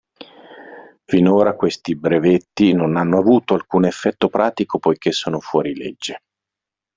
Finora questi brevetti non hanno avuto alcun effetto pratico poiché sono fuori legge.